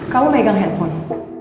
kamu pegang handphone